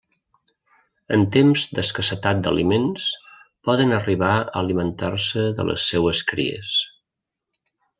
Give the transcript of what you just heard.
En temps d'escassetat d'aliments, poden arribar a alimentar-se de les seues cries.